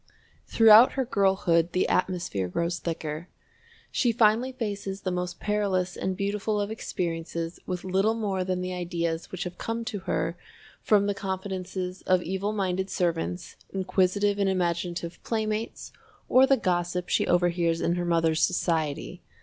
Throughout her girlhood the atmosphere grows thicker. She finally faces the most perilous and beautiful of experiences with little more than the ideas which have come to her from the confidences of evil minded servants, inquisitive and imaginative playmates, or the gossip she overhears in her mother's society.